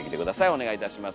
お願いいたします。